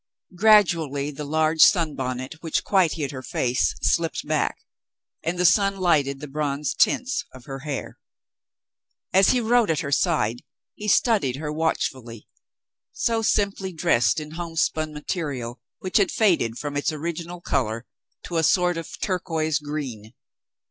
Gradually the large sun bonnet which quite hid her face slipped back, and the sun lighted the bronze tints of her hair. As he rode at her side he studied her watchfully, so simply dressed in home spun material which had faded from its original color to a sort of turquoise green.